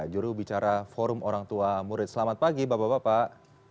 juru bicara forum orang tua murid selamat pagi bapak bapak